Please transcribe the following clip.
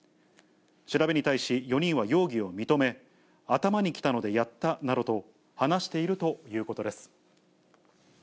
調べに対し、４人は容疑を認め、頭にきたのでやったなどと話しているということです。